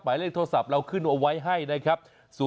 เลขโทรศัพท์เราขึ้นเอาไว้ให้นะครับ